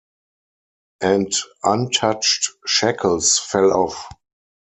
And untouched shackles fell off.